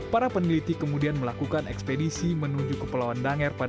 para peneliti kemudian melakukan ekspedisi menuju kepulauan danjar pada dua ribu lima belas